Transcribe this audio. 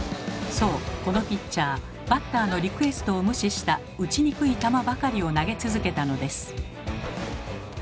そうこのピッチャーバッターのリクエストを無視した打ちにくい球ばかりを投げ続けたのです。